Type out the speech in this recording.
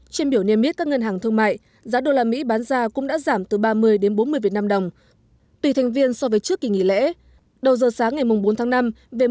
trên biểu niêm biết các ngân hàng thương mại giá đô la mỹ bán ra cũng đã giảm từ ba mươi đến bốn mươi việt nam đồng tùy thành viên so với trước kỳ nghỉ lễ đầu giờ sáng ngày mùng bốn tháng năm về mức hai mươi ba ba trăm linh việt nam đồng